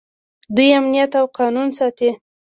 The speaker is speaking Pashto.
دوی امنیت او قانون ساتي.